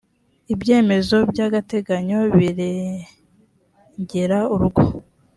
ibyemezo byagateganyo birengera urugo.